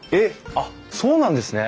あっそうなんですね！